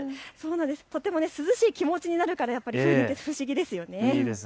とても涼しい気持ちになるから風鈴って、不思議ですよね。